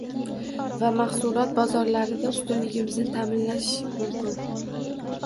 va mahsulot bozorlarida ustunligimizni ta’minlash mumkin?